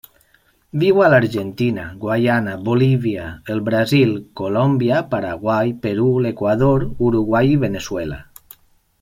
Viu a l'Argentina, Guaiana, Bolívia, el Brasil, Colòmbia, Paraguai, Perú, l'Equador, Uruguai i Veneçuela.